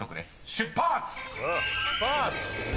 出発！